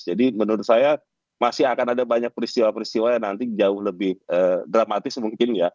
jadi menurut saya masih akan ada banyak peristiwa peristiwa yang nanti jauh lebih dramatis mungkin ya